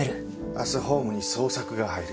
明日ホームに捜索が入る。